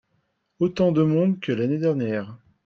Autant de monde que l'année dernière.